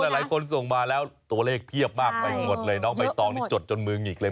หลายคนส่งมาแล้วตัวเลขเพียบมากไปหมดเลยน้องใบตองนี่จดจนมือหงิกเลย